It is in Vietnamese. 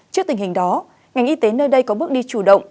trước tình hình đó ngành y tế nơi đây có bước đi chủ động